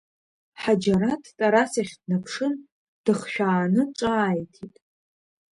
Ҳаџьараҭ Тарас иахь днаԥшын, дыхшәааны ҿааиҭит…